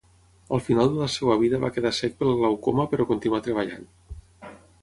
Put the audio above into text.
Al final de la seva vida va quedar cec pel glaucoma però continuà treballant.